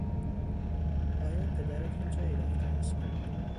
آیا پدرتان جایی رفته است؟